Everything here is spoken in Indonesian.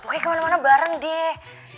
pokoknya kemana mana bareng deh